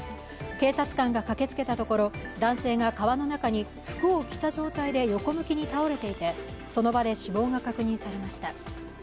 警察官が駆けつけたところ、男性が川の中に服を着た状態で横向きに倒れていてその場で死亡が確認されました。